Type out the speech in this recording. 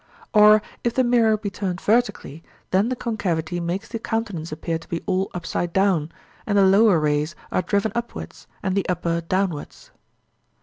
Or if the mirror be turned vertically, then the concavity makes the countenance appear to be all upside down, and the lower rays are driven upwards and the upper downwards.